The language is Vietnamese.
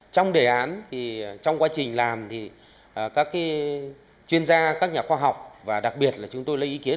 trong đề án thì trong quá trình làm thì các chuyên gia các nhà khoa học và đặc biệt là chúng tôi lấy ý kiến